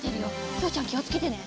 きほちゃんきをつけてね。